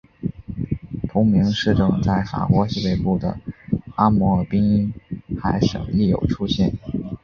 同名市镇在法国西北部的阿摩尔滨海省亦有出现。